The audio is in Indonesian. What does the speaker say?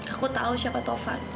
aku tahu siapa taufan